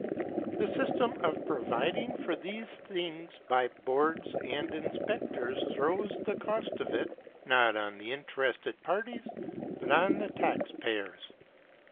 The system of providing for these things by boards and inspectors throws the cost of it, not on the interested parties, but on the tax payers.